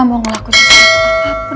mau ngelakuin sesuatu apapun